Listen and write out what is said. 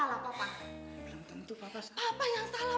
belum tentu papa salah